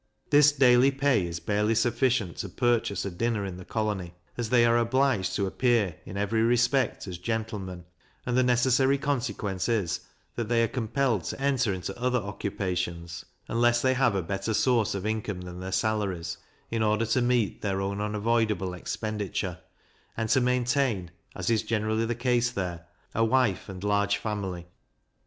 This daily pay is barely sufficient to purchase a dinner in the colony, as they are obliged to appear in every respect as gentlemen; and the necessary consequence is, they are compelled to enter into other occupations, unless they have a better source of income than their salaries, in order to meet their own unavoidable expenditure, and to maintain (as is generally the case there) a wife and large family.